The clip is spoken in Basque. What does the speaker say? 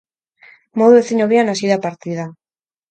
Modu ezin hobean hasi da partida.